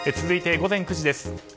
続いて午前９時です。